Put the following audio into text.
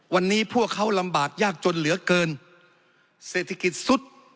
วันนี้พวกเขาลำบากยากจนเหลือเกินเศรษฐกิจสุด